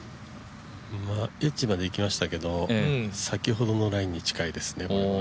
エッジまでいきましたけど先ほどのラインに近いですね。